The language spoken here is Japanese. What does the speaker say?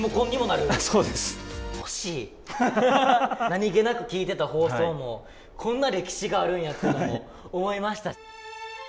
何気なく聞いていた放送もこんな歴史があるんやと思いました。